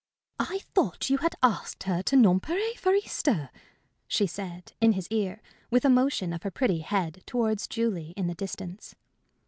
"I thought you had asked her to Nonpareil for Easter?" she said, in his ear, with a motion of her pretty head towards Julie in the distance.